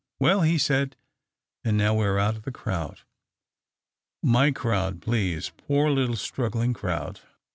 " Well," he said, " and now we are out of the crowd." '•My crowd, please. Poor little struggling 3rowd